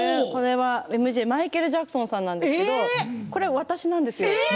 マイケル・ジャクソンさんなんですけどこちらは私なんですよ